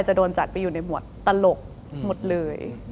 จะโดนจัดไปอยู่ในหมวดตลกหมดเลย